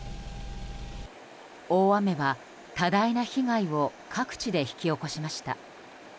大雨は多大な被害を各地で引き起こしました。